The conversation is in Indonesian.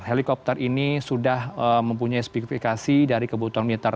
helikopter ini sudah mempunyai spektifikasi dari kebutuhan militer